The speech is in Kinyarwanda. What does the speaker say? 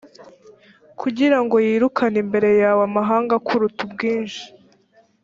kugira ngo yirukane imbere yawe amahanga akuruta ubwinshi